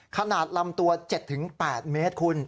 ขนาดลำตัว๗๘เมตรคุณ